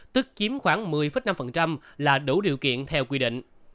tức chiếm khoảng một mươi năm là đủ điều kiện theo quy định